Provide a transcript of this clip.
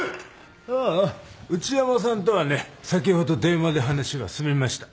「ああ内山さんとはね先ほど電話で話は済みました」